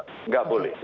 tidak boleh gitu